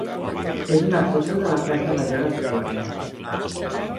és una foto de la plaça major d'Esporles.